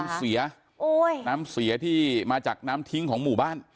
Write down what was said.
น้ำเสียโอ้ยน้ำเสียที่มาจากน้ำทิ้งของหมู่บ้าน